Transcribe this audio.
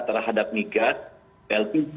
terhadap mi gas lpc